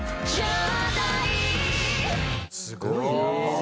すごいな。